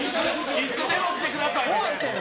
いつでも来てくださいね。